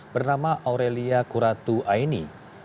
bernama aurelia kuratu aini